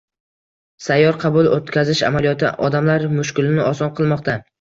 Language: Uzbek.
Sayyor qabul o‘tkazish amaliyoti odamlar mushkulini oson qilmoqda